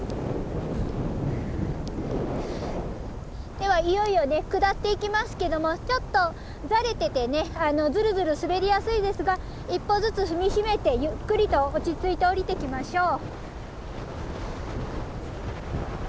ではいよいよね下っていきますけどもちょっとザレててねズルズル滑りやすいですが一歩ずつ踏み締めてゆっくりと落ち着いて下りていきましょう。